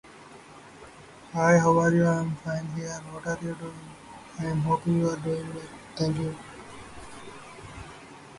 Zacharias Topelius, an important author in Finland, was born in Nykarleby.